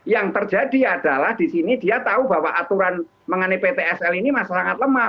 yang terjadi adalah di sini dia tahu bahwa aturan mengenai ptsl ini masih sangat lemah